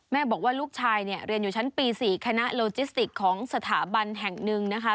บอกว่าลูกชายเนี่ยเรียนอยู่ชั้นปี๔คณะโลจิสติกของสถาบันแห่งหนึ่งนะคะ